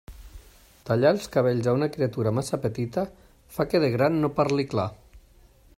Tallar els cabells a una criatura massa petita fa que de gran no parli clar.